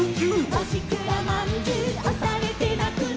「おしくらまんじゅうおされてなくな」